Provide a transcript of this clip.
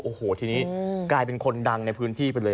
โอ้โหทีนี้กลายเป็นคนดังในพื้นที่ไปเลย